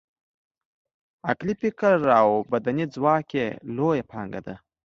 عقلي، فکري او بدني ځواک یې لویه پانګه ده.